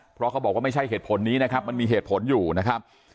เพราะเขาบอกว่าไม่ใช่เหตุผลนี้นะครับมันมีเหตุผลอยู่นะครับ